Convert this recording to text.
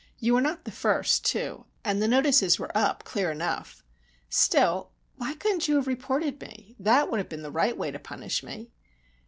You were not the first, too, and the notices were up clear enough. Still, why couldn't you have reported me? That would have been the right way to punish me."